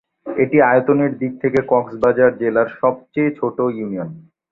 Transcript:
এটি আয়তনের দিক থেকে কক্সবাজার জেলার সবচেয়ে ছোট ইউনিয়ন।